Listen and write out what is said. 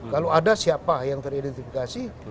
kalau ada siapa yang teridentifikasi